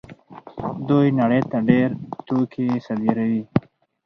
دوی نړۍ ته ډېر توکي صادروي.